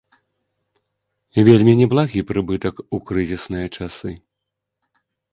Вельмі неблагі прыбытак у крызісныя часы.